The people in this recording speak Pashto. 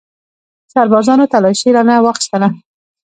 سربازانو تلاشي رانه واخیستله.